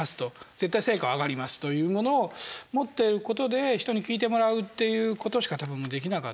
絶対成果は上がりますというものを持っていることで人に聞いてもらうっていうことしかたぶんできなかった。